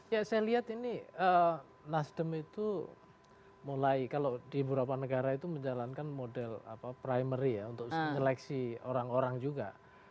ya saya lihat ini nasdem itu mulai kalau di beberapa negara itu menjalankan model primary ya untuk seleksi orang orang juga